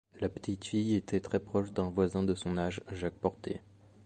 La petite fille était très proche d'un voisin de son âge, Jack Porter.